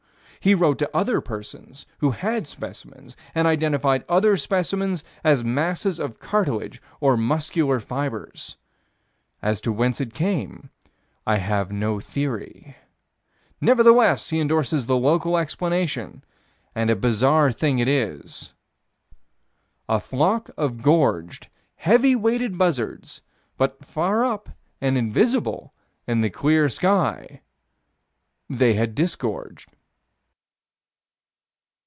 He wrote to other persons who had specimens, and identified other specimens as masses of cartilage or muscular fibers. "As to whence it came, I have no theory." Nevertheless he endorses the local explanation and a bizarre thing it is: A flock of gorged, heavy weighted buzzards, but far up and invisible in the clear sky They had disgorged.